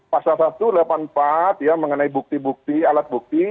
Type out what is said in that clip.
pasal satu ratus delapan puluh empat ya mengenai bukti bukti alat bukti